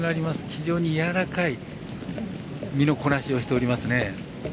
非常にやわらかい身のこなしをしておりますね。